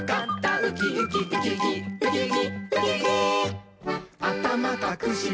「ウキウキウキウキウキウキ」